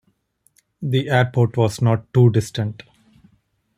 The airport was not too distant.